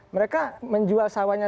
mereka menjual sawahnya